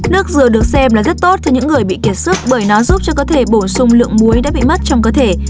nước dừa được xem là rất tốt cho những người bị kiệt sức bởi nó giúp cho cơ thể bổ sung lượng muối đã bị mất trong cơ thể